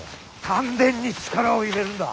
丹田に力を入れるんだ。